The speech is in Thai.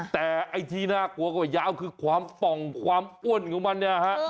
แต่ไอ้ที่น่ากลัวกว่ายาวคือความป่องความอ้วนของมันเนี่ยฮะ